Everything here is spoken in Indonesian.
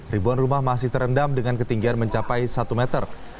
ribuan rumah masih terendam dengan ketinggian mencapai satu meter